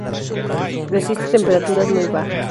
Resiste temperaturas muy bajas.